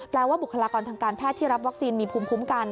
ว่าบุคลากรทางการแพทย์ที่รับวัคซีนมีภูมิคุ้มกัน